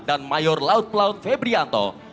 dan mayor laut laut febrianto